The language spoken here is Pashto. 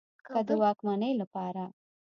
که د واکمنۍ له پاره